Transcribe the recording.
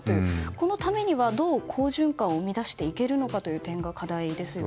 このためにはどう好循環を生み出していけるかという点が課題ですよね。